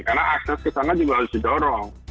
karena akses ke sana juga harus didorong